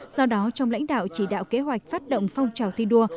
do đó trong lãnh đạo chỉ đạo kế hoạch phát động phong trào thi đua